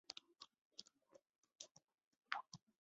元代废湖阳县入泌阳县仍属唐州。